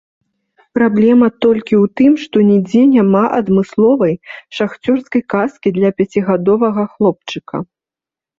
Праблема толькі ў тым, што нідзе няма адмысловай шахцёрскай каскі для пяцігадовага хлопчыка.